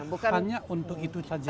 bukan hanya untuk itu saja